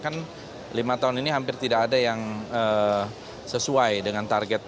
kan lima tahun ini hampir tidak ada yang sesuai dengan target